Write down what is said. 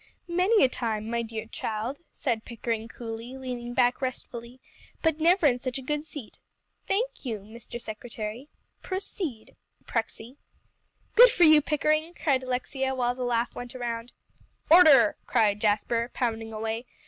"Many a time, my dear child," said Pickering coolly, leaning back restfully, "but never in such a good seat. Thank you, Mr. Secretary. Proceed, Prexy." "Good for you, Pickering," cried Alexia, while the laugh went around. "Order!" cried Jasper, pounding away.